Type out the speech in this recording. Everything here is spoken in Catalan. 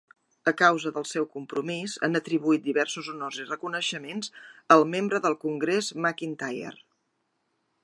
A causa del seu compromís, han atribuït diversos honors i reconeixements al membre del Congrés McIntyre.